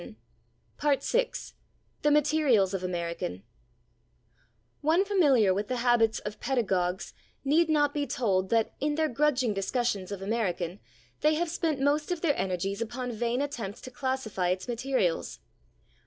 " § 6 /The Materials of American/ One familiar with the habits of pedagogues need not be told that, in their grudging discussions of American, they have spent most of their energies upon vain attempts to classify its materials.